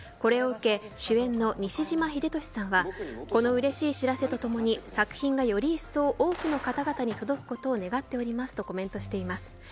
これを受け主演の西島秀俊さんはこのうれしい知らせとともに作品がよりいっそう多くの方々に届くことを願っておりますとコメントしています。